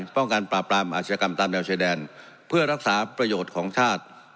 ป้องกันปราบปรามอาชญากรรมตามแนวชายแดนเพื่อรักษาประโยชน์ของชาติ